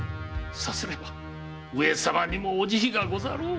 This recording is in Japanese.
さすれば上様にもお慈悲がござろう。